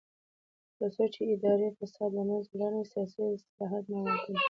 تر څو چې اداري فساد له منځه لاړ نشي، سیاسي اصلاحات ناممکن دي.